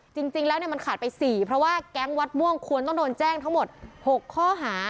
จริงแล้วมันขาดไป๔เพราะว่าแก๊งวัดม่วงควรต้องโดนแจ้งทั้งหมด๖ข้อหา